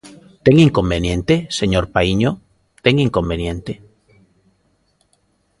¿Ten inconveniente, señor Paíño, ten inconveniente?